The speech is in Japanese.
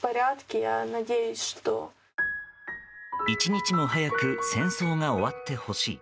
１日も早く戦争が終わってほしい。